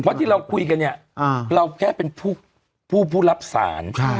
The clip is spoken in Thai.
เพราะที่เราคุยกันเนี่ยเราแค่เป็นผู้รับสาร